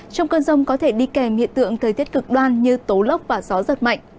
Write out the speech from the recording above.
trong cơn rông có thể đi kèm hiện tượng thời tiết cực đoan như tố lốc và gió giật mạnh